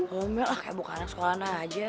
comel lah kayak bukaan sekolahnya aja